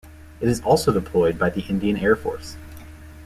It is also deployed by the Indian Air Force.